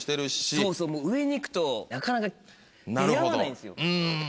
そうそう上に行くとなかなか出合わないんですよ。